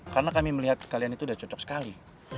karena kami melihat kalian itu udah cocok sekali